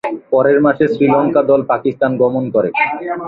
পরের মাসে শ্রীলঙ্কা দল পাকিস্তান গমন করে।